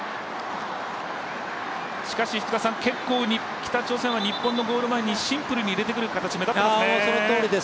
結構北朝鮮は、日本のゴール前にシンプルに入れてくる形、目立っていますね。